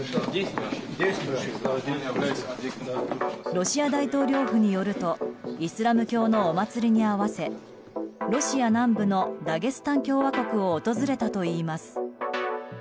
ロシア大統領府によるとイスラム教のお祭りに合わせロシア南部のダゲスタン共和国を訪れたといいます。